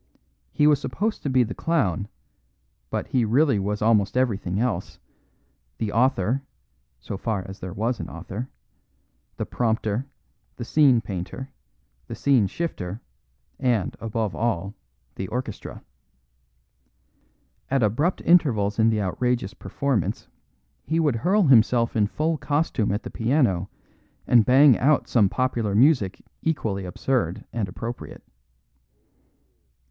He was supposed to be the clown, but he was really almost everything else, the author (so far as there was an author), the prompter, the scene painter, the scene shifter, and, above all, the orchestra. At abrupt intervals in the outrageous performance he would hurl himself in full costume at the piano and bang out some popular music equally absurd and appropriate.